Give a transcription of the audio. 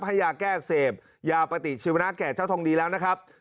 ให้ยาแก้อักเสบยาปฏิชีวนะแก่เจ้าทองดีแล้วนะครับ